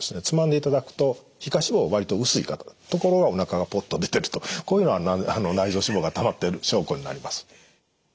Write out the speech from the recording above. つまんでいただくと皮下脂肪割と薄い方ところがおなかがポッと出てるとこういうのは内臓脂肪がたまってる証拠になります。